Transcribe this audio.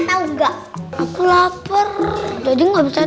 kalau enggak aku lapar jadi nggak bisa